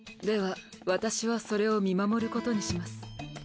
では私はそれを見守ることにします。